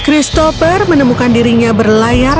christopher menemukan dirinya berlayar